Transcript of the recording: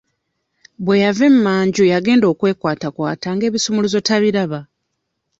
Bwe yava emmanju yagenda okwekwatakwata nga ebisumuluzo tabiraba.